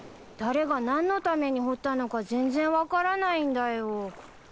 誰が何のために掘ったのか全然分からないんだよ。